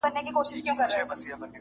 په يوه مېلمانه شمې، په يوه لنگواله زړې.